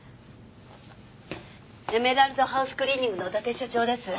エメラルドハウスクリーニングの伊達社長です。